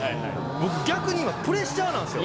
僕逆に今プレッシャーなんですよ。